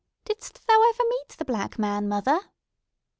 Didst thou ever meet the Black Man, mother?"